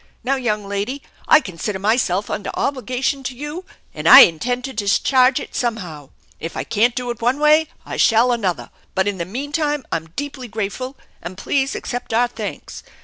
Now, young lady, I consider myself under obligation to you, and I intend to discharge it somehow. If I can't do it one way I shall another, but in the meantime I'm deeply grateful, and please accept our thanks.